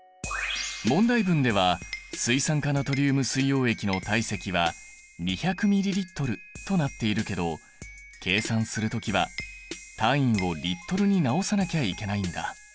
問題文では水酸化ナトリウム水溶液の体積は２００ｍＬとなっているけど計算するときは単位をＬに直さなきゃいけないんだ。